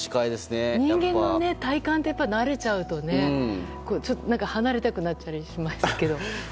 人間の体感って慣れちゃうと離れたくなったりしますけど。